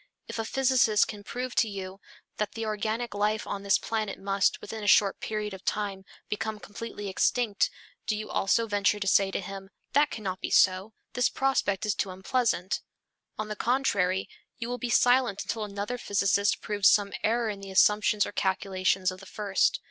If a physicist can prove to you that the organic life of this planet must, within a short period of time, become completely extinct, do you also venture to say to him, "That cannot be so. This prospect is too unpleasant." On the contrary, you will be silent until another physicist proves some error in the assumptions or calculations of the first.